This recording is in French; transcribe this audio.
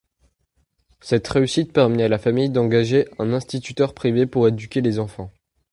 Cette réussite permit à la famille d’engager un instituteur privé pour éduquer les enfants.